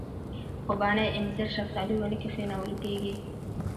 خوبانۍ اینځر شفتالو ونې کښېنول کېږي.